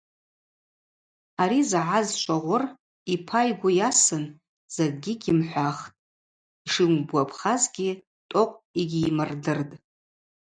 Ари загӏаз Швогъвыр йпа йгвы йасын закӏгьи гьйымхӏвахтӏ, йшйымгвапхазгьи Токъв йгьиймырдыртӏ.